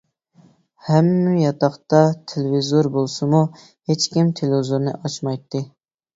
ھەممە ياتاقتا تېلېۋىزور بولسىمۇ، ھېچكىم تېلېۋىزورنى ئاچمايتتى.